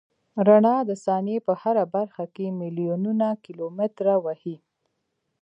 رڼا د ثانیې په هره برخه کې میلیونونه کیلومتره وهي.